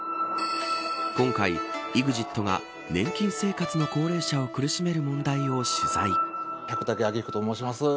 今回ＥＸＩＴが年金生活の高齢者を苦しめる問題を取材。